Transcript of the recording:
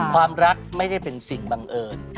ความรักไม่ได้เป็นสิ่งบังเอิญ